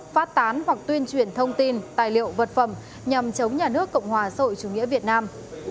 phát tán hoặc tuyên truyền thông tin tài liệu vật phẩm nhằm chống nhà nước cộng hòa xã hội chủ nghĩa việt nam